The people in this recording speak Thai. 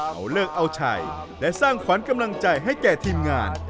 เอาเลิกเอาชัยและสร้างขวัญกำลังใจให้แก่ทีมงาน